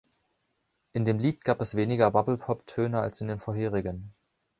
In dem Lied gab es weniger “bubble pop” Töne als in den vorherigen.